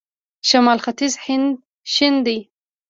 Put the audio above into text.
شمال ختیځ هند شین دی.